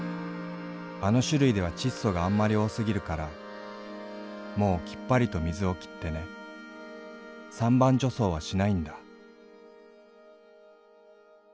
あの種類では窒素があんまり多過ぎるからもうきっぱりと灌水を切ってね三番除草はしないんだ」。